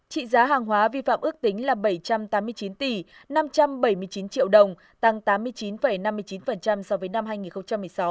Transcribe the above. trị giá hàng hóa vi phạm ước tính là bảy trăm tám mươi chín tỷ năm trăm bảy mươi chín triệu đồng tăng tám mươi chín năm mươi chín so với năm hai nghìn một mươi sáu